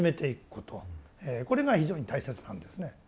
これが非常に大切なんですね。